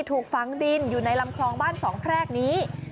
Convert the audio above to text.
ถูกฝังดินอยู่ในลำคลองบ้านสองแพรกนี้